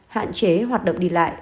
hạn chế hoạt động đi lại